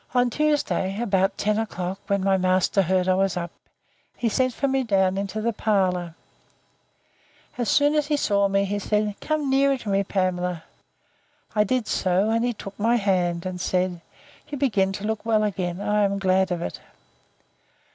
On Tuesday, about ten o'clock, when my master heard I was up, he sent for me down into the parlour. As soon as he saw me, he said, Come nearer to me, Pamela. I did so, and he took my hand, and said, You begin to look well again: I am glad of it.